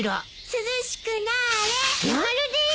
涼しくなれ！